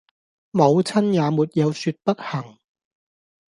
母親也沒有説不行。